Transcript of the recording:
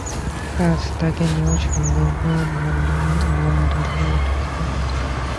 আজ তাকে নিয়েও সন্দেহে মন দুলে উঠছে।